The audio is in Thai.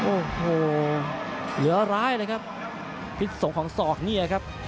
โอ้โหเหลือร้ายเลยครับพิษสงฆ์ของศอกเนี่ยครับ